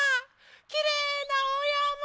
きれいなおやま！